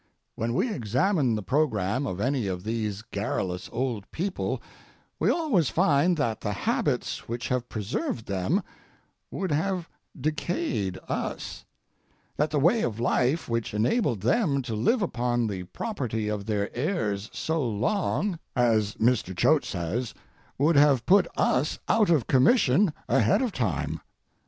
When we examine the programme of any of these garrulous old people we always find that the habits which have preserved them would have decayed us; that the way of life which enabled them to live upon the property of their heirs so long, as Mr. Choate says, would have put us out of commission ahead of time.